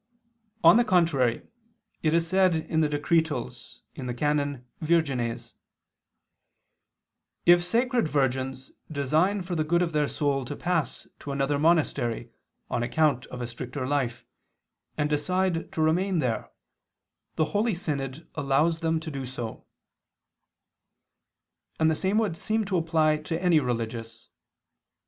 On the contrary, It is said in the Decretals (XX, qu. iv, can. Virgines): "If sacred virgins design for the good of their soul to pass to another monastery on account of a stricter life, and decide to remain there, the holy synod allows them to do so": and the same would seem to apply to any religious.